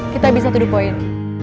kita bisa tuduh poin